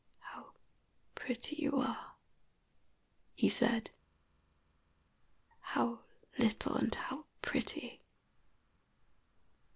"How pretty you are!" he said. "How little and how pretty!